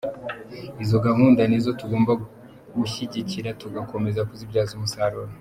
Izo gahunda nizo tugomba gushyigikira tugakomeza kuzibyaza umusaruro.